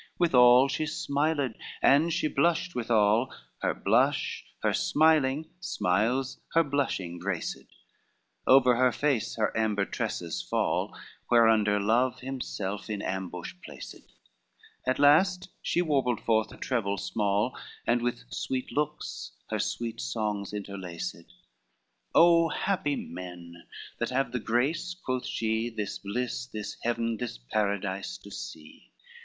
LXII Withal she smiled and she blushed withal, Her blush, her smilings, smiles her blushing graced: Over her face her amber tresses fall, Whereunder Love himself in ambush placed: At last she warbled forth a treble small, And with sweet looks her sweet songs interlaced; "Oh happy men I that have the grace," quoth she, "This bliss, this heaven, this paradise to see.